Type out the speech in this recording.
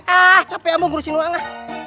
ah capek ambil ngurusin orang ah